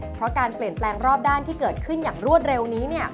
เพราะการเปลี่ยนแปลงรอบด้านที่เกิดขึ้นอย่างรวดเร็วนี้